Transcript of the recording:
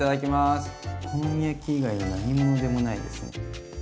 お好み焼き以外の何物でもないですね。